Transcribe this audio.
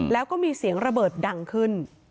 แล้วก็มีเสียงระเบิดดังขึ้น